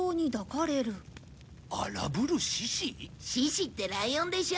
獅子ってライオンでしょ？